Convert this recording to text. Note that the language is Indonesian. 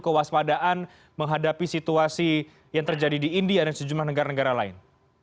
kewaspadaan menghadapi situasi yang terjadi di india dan sejumlah negara negara lain